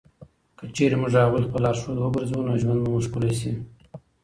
که چېرې موږ هغوی خپل لارښود وګرځوو، نو ژوند به مو ښکلی شي.